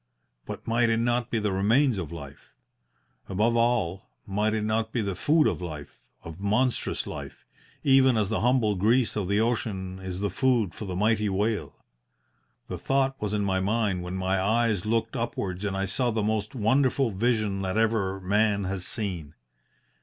But might it not be the remains of life? Above all, might it not be the food of life, of monstrous life, even as the humble grease of the ocean is the food for the mighty whale? The thought was in my mind when my eyes looked upwards and I saw the most wonderful vision that ever man has seen.